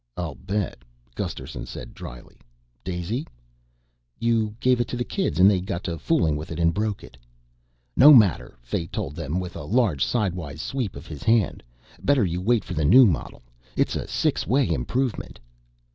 "I'll bet," Gusterson said drily. "Daisy?" "You gave it to the kids and they got to fooling with it and broke it." "No matter," Fay told them with a large sidewise sweep of his hand. "Better you wait for the new model. It's a six way improvement."